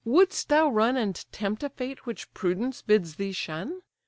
wouldst thou run, And tempt a fate which prudence bids thee shun?